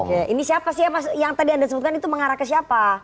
oke ini siapa sih ya mas yang tadi anda sebutkan itu mengarah ke siapa